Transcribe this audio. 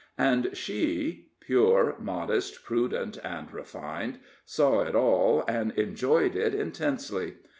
And she pure, modest, prudent, and refined saw it all, and enjoyed it intensely.